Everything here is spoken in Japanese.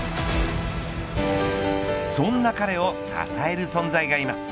そんな彼を支える存在がいます。